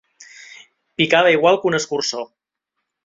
Picava igual que un escurçó.